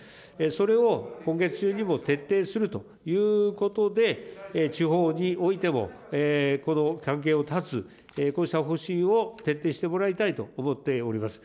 それを今月中にも徹底するということで、地方においても、この関係を断つ、こうした方針を徹底してもらいたいと思っております。